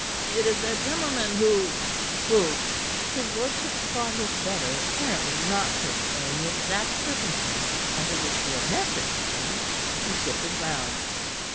"It is a gentleman who who " His lordship thought it better, apparently, not to explain the exact circumstances under which he had met the gentleman. He shifted ground.